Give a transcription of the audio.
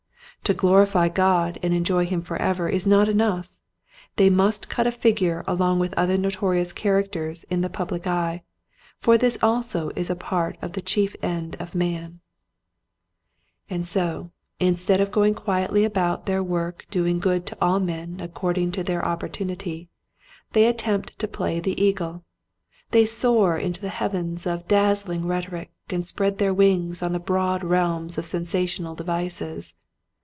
To glorify God and enjoy him forever is not enough : they must cut a figure along with other notorious characters in the public eye, for this also is a part of the chief end of man, 202 Quiet Hints to Growing Preachers, And so instead of going quietly about their work doing good to all men according to their opportunity, they attempt to play the eagle. They soar into the heavens of dazzling rhetoric, and spread their wings in the broad realms of sensational devices.